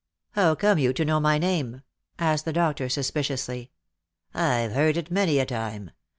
"How came you to know my name?" asked the doctor suspiciously. " I've heard it many a time.